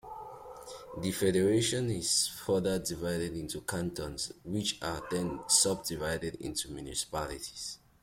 The Federation is further divided into cantons, which are then subdivided into municipalities.